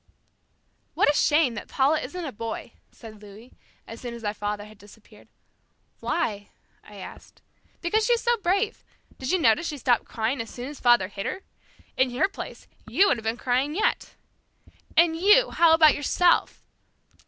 "What a shame that Paula isn't a boy," said Louis, as soon as our father had disappeared. "Why?" I asked. "Because she is so brave. Did you notice she stopped crying as soon as father hit her? In her place, you would have been crying yet." "And you? How about yourself?"